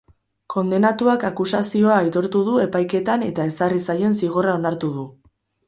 Kondenatuak akusazioa aitortu du epaiketan eta ezarri zaion zigorra onartu du.